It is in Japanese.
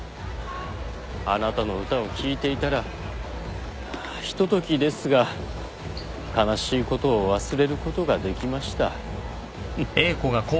あなたの歌を聴いていたらひとときですが悲しいことを忘れることができました。